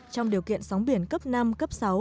trong điều kiện sóng biển cấp năm cấp sáu